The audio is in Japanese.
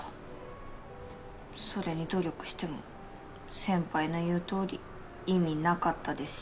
それに努力しても先輩の言うとおり意味なかったですし。